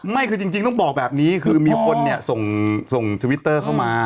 ไม่คือจริงต้องบอกแบบนี้คือมีคนเนี่ยส่งทวิตเตอร์เข้ามา